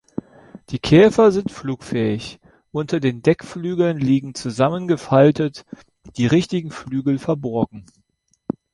Die Käfer sind flugfähig; unter den Deckflügeln liegen zusammengefaltet die richtigen Flügel verborgen.